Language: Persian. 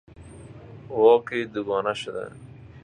واکه دوگانه شده